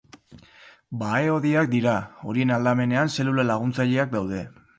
Bahe-hodiak dira; horien aldamenean zelula laguntzaileak daude.